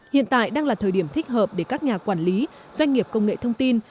hiện tại đang là thời điểm thích hợp để các nhà quản lý doanh nghiệp công nghệ thông tin